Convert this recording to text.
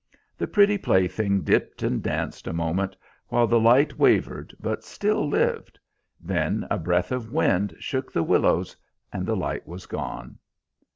The pretty plaything dipped and danced a moment, while the light wavered but still lived. Then a breath of wind shook the willows, and the light was gone.